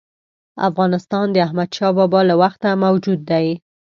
افغانستان د احمدشاه بابا له وخته موجود دی.